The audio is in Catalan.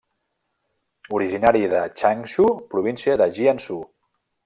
Originari de Changshu, província de Jiangsu.